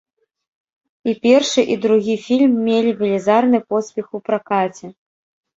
І першы, і другі фільм мелі велізарны поспех у пракаце.